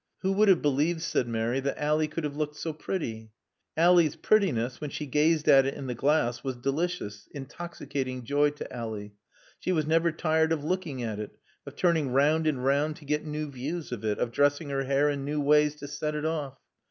"Who would have believed," said Mary, "that Ally could have looked so pretty?" Ally's prettiness (when she gazed at it in the glass) was delicious, intoxicating joy to Ally. She was never tired of looking at it, of turning round and round to get new views of it, of dressing her hair in new ways to set it off.